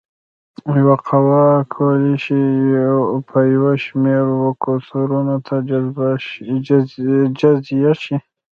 یوه قوه کولی شي په یو شمېر وکتورونو تجزیه شي.